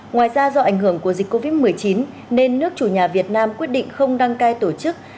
ngoài ra do ảnh hưởng của dịch covid một mươi chín nên nước chủ nhà việt nam quyết định không đăng cai tổ chức